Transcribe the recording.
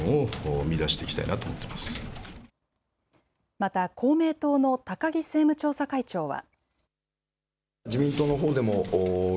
また公明党の高木政務調査会長は。